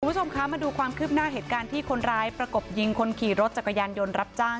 คุณผู้ชมคะมาดูความคืบหน้าเหตุการณ์ที่คนร้ายประกบยิงคนขี่รถจักรยานยนต์รับจ้าง